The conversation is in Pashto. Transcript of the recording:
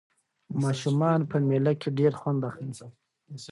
ماشومان په مېله کې ډېر خوند اخلي.